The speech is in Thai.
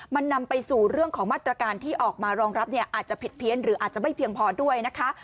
มันนำไปสู่เรื่องของมาตรการที่ออกมารองรับเนี่ยอาจจะผิดเพี้ยนหรืออาจจะไม่เพียงพอด้วยนะคะ